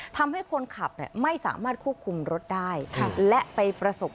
ทำให้คนขับไม่สามารถควบคุมรถได้และไปประสบ